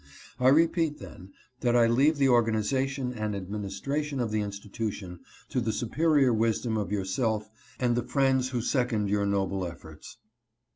I repeat, then, that I leave the organization and ad ministration of the institution to the superior wisdom of yourself and the friends who second your noble efforts.